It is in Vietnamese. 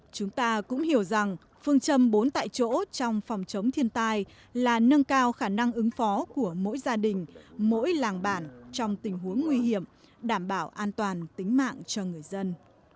chúng ta cũng hiểu rằng phương châm bốn tại chỗ trong phòng chống thiên tai là nâng cao khả năng ứng phó của mỗi gia đình mỗi làng bản trong tình huống nguy hiểm đảm bảo an toàn tính mạng cho người dân